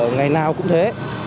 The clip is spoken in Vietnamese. ngày nào cũng thế